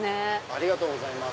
ありがとうございます。